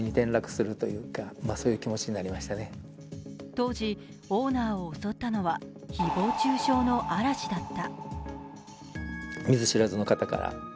当時、オーナーを襲ったのはひぼう中傷の嵐だった。